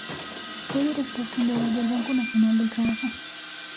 Fue Director-fundador del Banco Nacional del Trabajo.